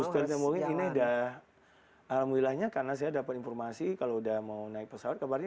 buster mau tidak mau alhamdulillahnya io dapat informasi kalau mau naik pesawat kabarnya iya